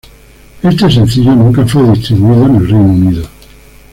Este sencillo nunca fue distribuido en el Reino Unido.